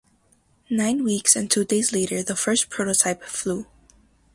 Nine weeks and two days later the first prototype flew.